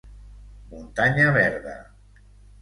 Muntanya verda